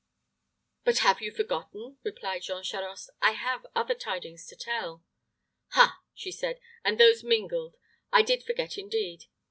"But you have forgotten," replied Jean Charost. "I have other tidings to tell." "Ha!" she said, "and those mingled I did forget, indeed.